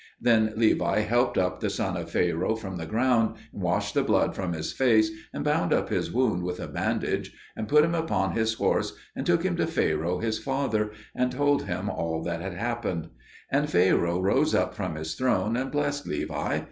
Then Levi helped up the son of Pharaoh from the ground, and washed the blood from his face and bound up his wound with a bandage, and put him upon his horse and took him to Pharaoh his father, and told him all that had happened. And Pharaoh rose up from his throne and blessed Levi.